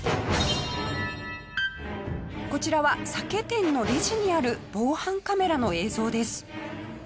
こちらは酒店のレジにある防犯カメラの映像です。